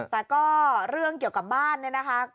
แต่ก็เรื่องเกี่ยวกับบ้านเนี่ยนะคะ